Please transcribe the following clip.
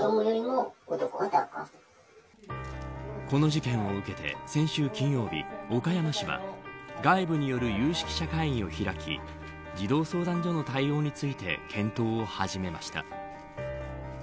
この事件を受けて先週金曜日岡山市は外部による有識者会議を開き児童相談所の対応について検討を始めました。